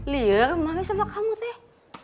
lihat mami sama kamu teh